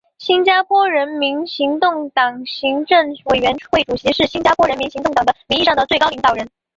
新加坡人民行动党行政委员会主席是新加坡人民行动党的名义上的最高领导人。